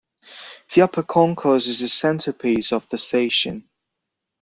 The upper concourse is the centrepiece of the station.